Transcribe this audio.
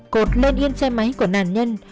cột lên yên xe máy của nàn nhân